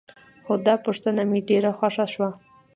خو دا پوښتنه مې ډېره خوښه شوه.